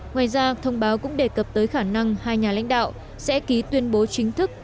ngoài ra thông báo cũng đề cập tới khả năng hai nhà lãnh đạo sẽ ký tuyên bố chính thức